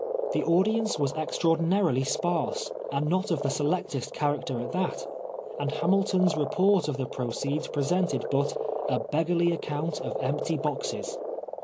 The audience was extraordinarily sparse, and not of the selectest character at that, and Hamilton's report of the pro ceeds presented but a " beggarly account of empty boxes."